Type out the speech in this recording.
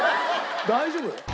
大丈夫？